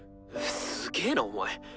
すげなお前。